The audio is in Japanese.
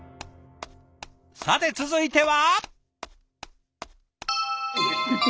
さて続いては？